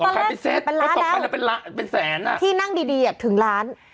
ขายเป็นเซ็ตถึงล้านแล้วที่นั่งดีถึงล้าน